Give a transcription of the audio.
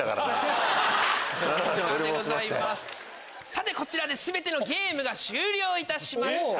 さてこちらで全てのゲームが終了いたしました。